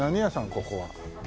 ここは。